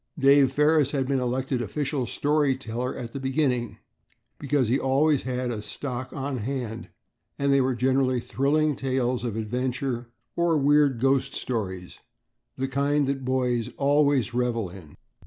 Dave Ferris had been elected official story teller at the beginning, because he always had a stock on hand, and they were generally thrilling tales of adventure or weird ghost stories, the kind that boys always revel in.